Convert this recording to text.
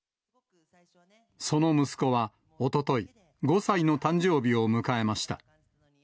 その息子はおととい、５歳の誕生日を迎えました。